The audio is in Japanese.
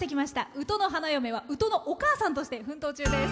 宇土の花嫁は宇土のおかあさんとして奮闘中です。